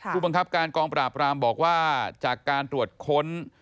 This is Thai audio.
ผู้บังคับการกองปราบรามบอกว่าจากการตรวจค้น